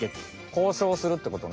交渉するってことね？